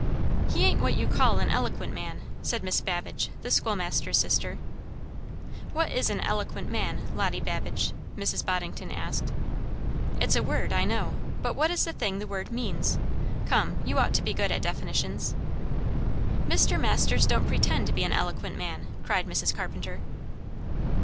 "He ain't what you call an eloquent man," said Miss Babbage, the schoolmaster's sister. "What is an 'eloquent man,' Lottie Babbage?" Mrs. Boddington asked. "It's a word, I know; but what is the thing the word means? Come, you ought to be good at definitions." "Mr. Masters don't pretend to be an eloquent man!" cried Mrs. Carpenter.